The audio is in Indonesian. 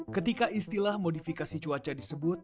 ketika istilah modifikasi cuaca disebut